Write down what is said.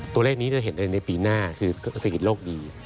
ตัวเลขนี้จะเห็นในปีหน้าคือสิ่งที่โลกดี